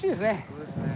そうですね。